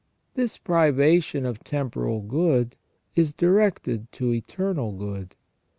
This privation of temporal good is directed to eternal good.